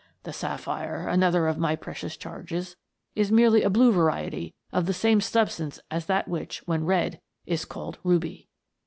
The sapphire, another of my precious charges, is merely a blue variety of the same substance as that which, when red, is called ruby.